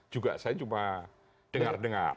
juga saya cuma dengar dengar